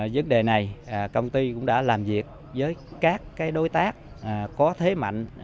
vấn đề này công ty cũng đã làm việc với các đối tác có thế mạnh